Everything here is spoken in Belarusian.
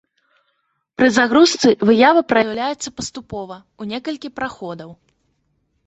Пры загрузцы выява праяўляецца паступова, у некалькі праходаў.